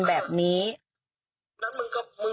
แล้วสถานะมึงไง